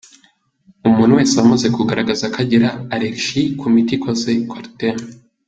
Umuntu wese wamaze kugaragaza ko agira arerigi ku miti ikoze coartem.